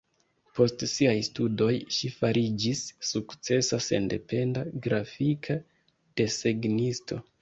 Post siaj studoj ŝi fariĝis sukcesa sendependa grafika desegnisto.